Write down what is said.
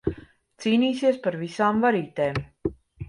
Cīnīsies par visām varītēm.